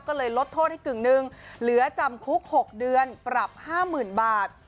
ก็เลยลดโทษให้กึ่งหนึ่งเหลือจำคุก๖เดือนปรับ๕๐๐๐บาท